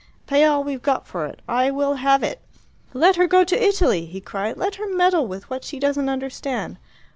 Pay all we've got for it. I will have it." "Let her go to Italy!" he cried. "Let her meddle with what she doesn't understand!